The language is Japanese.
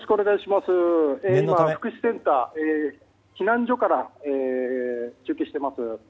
福祉センター避難所から中継しています。